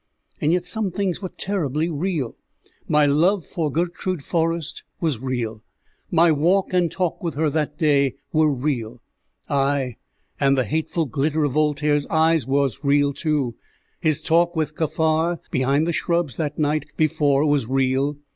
And yet some things were terribly real. My love for Gertrude Forrest was real; my walk and talk with her that day were real. Ay, and the hateful glitter of Voltaire's eyes was real too; his talk with Kaffar behind the shrubs the night before was real.